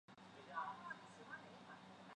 而鼻毛能够保护你不受外来污染物伤害。